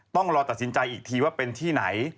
ต้องรอตัดสินใจอีกทีว่าเป็นที่ไหน